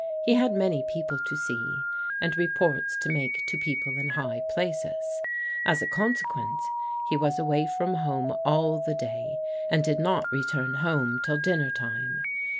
He had many people to see, and ports to make to people in high places. As a conseque he was away from home all the day, and did not reti home till dinner time.